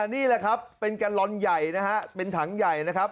นี่แหละครับเป็นแกลลอนใหญ่นะฮะเป็นถังใหญ่นะครับ